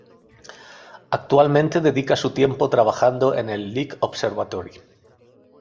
Actualmente dedica su tiempo trabajando en el Lick Observatory.